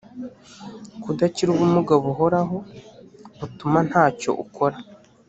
kudakira ubumuga buhoraho butuma ntacyo ukora